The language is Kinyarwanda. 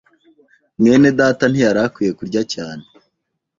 mwene data ntiyari akwiye kurya cyane.